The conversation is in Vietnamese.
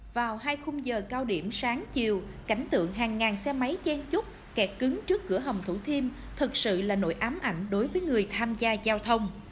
vào hai khung giờ cao điểm sáng chiều cảnh tượng hàng ngàn xe máy chen chúc kẹt cứng trước cửa hầm thủ thiêm thật sự là nỗi ám ảnh đối với người tham gia giao thông